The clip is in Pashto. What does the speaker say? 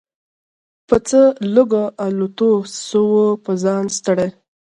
په څه لږو الوتو سو په ځان ستړی